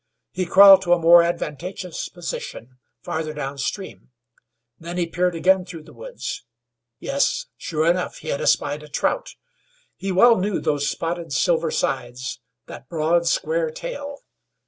He crawled to a more advantageous position farther down stream, and then he peered again through the woods. Yes, sure enough, he had espied a trout. He well knew those spotted silver sides, that broad, square tail.